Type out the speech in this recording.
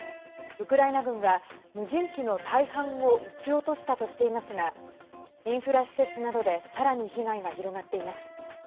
ウクライナ軍は無人機の大半を撃ち落としたとしていますがインフラ施設などでさらに被害が広がっています。